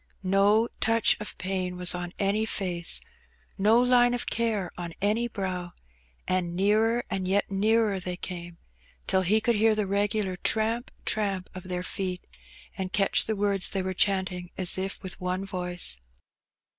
No touch of pain was on any face, no line of care on any brow, and nearer and yet nearer they came, till he could hear the regular tramp, tramp of their feet, and catch the words they were chanting as if with one voice.